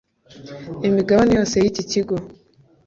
imigabane yose yiki kigo